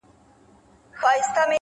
د عمل دوام استعداد معنا ورکوي؛